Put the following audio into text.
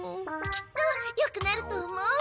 きっとよくなると思う。